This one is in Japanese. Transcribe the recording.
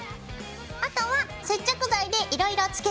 あとは接着剤でいろいろ付けていくよ。